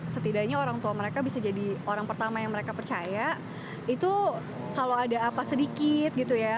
setidaknya orang tua mereka bisa jadi orang pertama yang mereka percaya itu kalau ada apa sedikit gitu ya